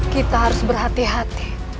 kita harus berhati hati